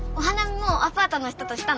もうアパートの人としたの？